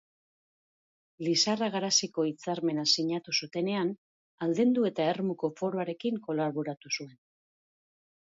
Lizarra-Garaziko Hitzarmena sinatu zutenean, aldendu eta Ermuko Foroarekin kolaboratu zuen.